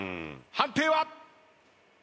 判定は？